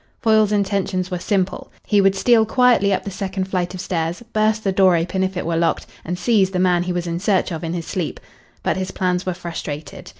Foyle's intentions were simple. He would steal quietly up the second flight of stairs, burst the door open if it were locked, and seize the man he was in search of in his sleep. But his plans were frustrated.